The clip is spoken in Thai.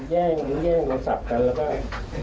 แย่งแย่งเราจับกันแล้วก็